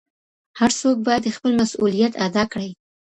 هر څوک بايد خپل مسووليت ادا کړي.